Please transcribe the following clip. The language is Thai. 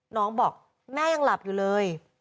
บอกแม่ยังหลับอยู่เลย